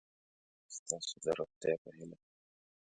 ستاسو د روغتیا په هیله